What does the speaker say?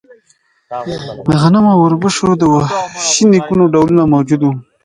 د غنمو او اوربشو د وحشي نیکونو ډولونه موجود وو.